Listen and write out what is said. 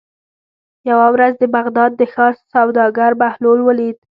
یوه ورځ د بغداد د ښار سوداګر بهلول ولید.